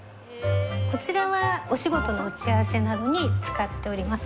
こちらはお仕事の打合せなどに使っております。